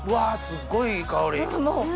すっごいいい香り！